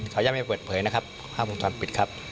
ขออนุญาตไม่เปิดเผยนะครับภาพวงจรปิดครับ